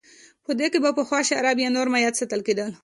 په دې کې به پخوا شراب یا نور مایعات ساتل کېدل